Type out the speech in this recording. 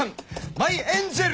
マイエンジェル！